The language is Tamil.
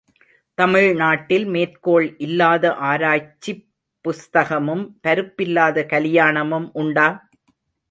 தமிழ்நாட்டில் மேற்கோள் இல்லாத ஆராய்ச்சிப் புஸ்தகமும் பருப்பில்லாத கலியாணமும் உண்டா?